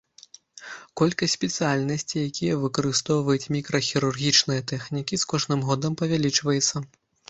Колькасць спецыяльнасцей, якія выкарыстоўваюць мікрахірургічныя тэхнікі, з кожным годам павялічваецца.